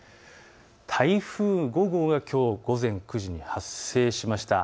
台風５号がきょう午前９時に発生しました。